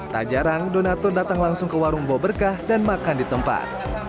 tak jarang donatur datang langsung ke warung buah berkah dan makan di tempat